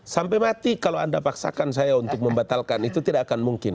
sampai mati kalau anda paksakan saya untuk membatalkan itu tidak akan mungkin